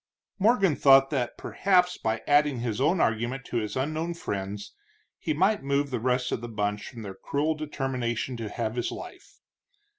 Morgan thought that, perhaps by adding his own argument to this unknown friend's, he might move the rest of the bunch from their cruel determination to have his life.